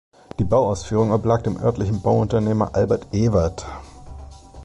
Die Bauausführung oblag dem örtlichen Bauunternehmer Albert Ewert.